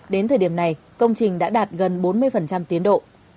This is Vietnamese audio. đến thời điểm này công trình đã đạt gần bốn mươi tiến độ